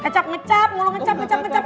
kecap ngecap ngecap